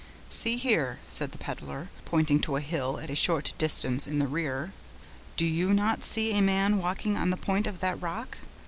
"See here," said the peddler, pointing to a hill, at a short distance in the rear, "do you not see a man walking on the point of that rock?